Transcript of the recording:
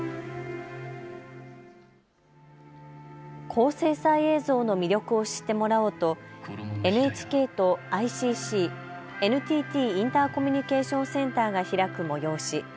高精細映像の魅力を知ってもらおうとＮＨＫとＩＣＣ・ＮＴＴインターコミュニケーション・センターが開く催し。